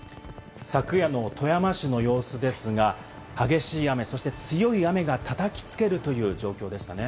昨夜の富山市の様子ですが、激しい雨、そして強い雨がたたきつけるという状況でしたね。